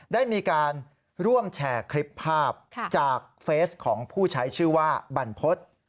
ได้มีการร่วมแชร์คลิปภาพจากเฟสของผู้ใช้ชื่อว่าบรรพฤษ